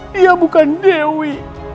dia bukan dewi